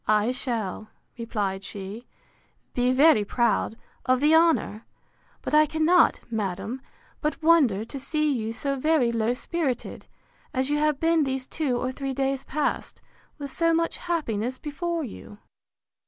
—I shall, replied she, be very proud of the honour: But I cannot, madam, but wonder to see you so very low spirited, as you have been these two or three days past, with so much happiness before you.